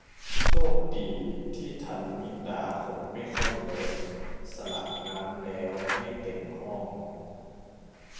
โชคดีที่ทันมิดาขนไม่ค่อยเยอะ สลัดน้ำแล้วไม่เต็มห้อง